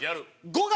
５月？